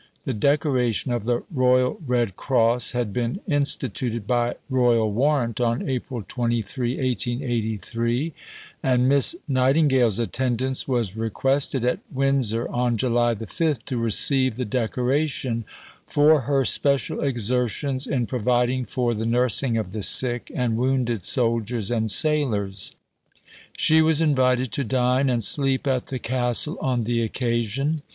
The decoration of the Royal Red Cross had been instituted by Royal Warrant on April 23, 1883, and Miss Nightingale's attendance was requested at Windsor on July 5 to receive the decoration for her "special exertions in providing for the nursing of the sick and wounded soldiers and sailors." She was invited to dine and sleep at the castle on the occasion.